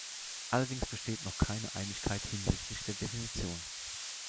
Allerdings besteht noch keine Einigkeit hinsichtlich der Definition.